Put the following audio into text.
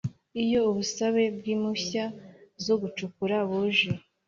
Iyo ubusabe bw impushya zo gucukura buje